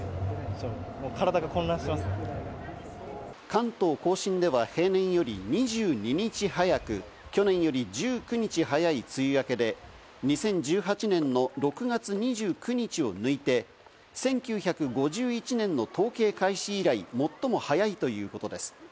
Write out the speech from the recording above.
関東甲信では平年より２２日早く、去年より１９日早い梅雨明けで、２０１８年の６月２９日を抜いて、１９５１年の統計開始以来、最も早いということです。